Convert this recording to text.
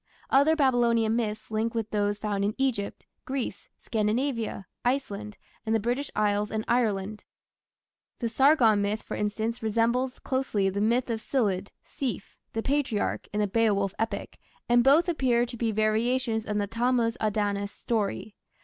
Other Babylonian myths link with those found in Egypt, Greece, Scandinavia, Iceland, and the British Isles and Ireland. The Sargon myth, for instance, resembles closely the myth of Scyld (Sceaf), the patriarch, in the Beowulf epic, and both appear to be variations of the Tammuz Adonis story.